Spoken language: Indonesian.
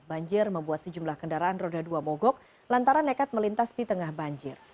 banjir membuat sejumlah kendaraan roda dua mogok lantaran nekat melintas di tengah banjir